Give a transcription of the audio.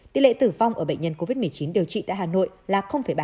tỷ lệ tử vong ở bệnh nhân covid một mươi chín điều trị tại hà nội là ba